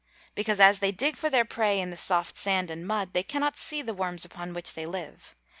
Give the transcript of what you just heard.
_ Because, as they dig for their prey in the soft sand and mud, they cannot see the worms upon which they live.